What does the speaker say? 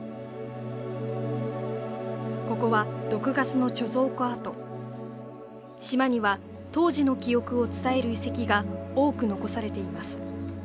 ここは毒ガスの貯蔵庫跡島には当時の記憶を伝える遺跡が多く残されています